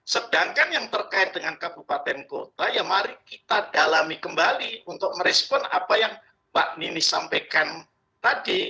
sedangkan yang terkait dengan kabupaten kota ya mari kita dalami kembali untuk merespon apa yang mbak nini sampaikan tadi